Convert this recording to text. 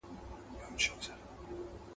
الله تعالی مېړونه پر کوم معاشرت امر کړي دي؟